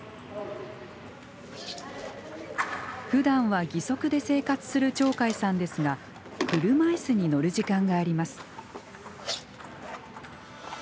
ふだんは義足で生活する鳥海さんですが車いすに乗る時間があります。